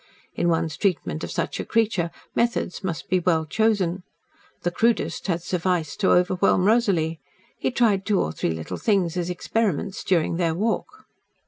In one's treatment of such a creature, methods must be well chosen. The crudest had sufficed to overwhelm Rosalie. He tried two or three little things as experiments during their walk.